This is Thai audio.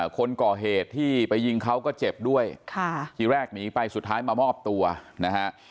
คนก่อเหตุที่ไปยิงเขาก็เจ็บด้วยทีแรกหนีไปสุดท้ายมามอบตัวนะฮะ